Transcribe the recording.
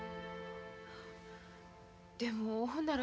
でもほんなら。